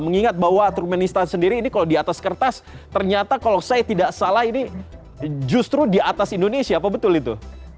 mengingat bahwa turmenistan sendiri ini kalau di atas kertas ternyata kalau saya tidak salah ini justru di atas indonesia apa betul itu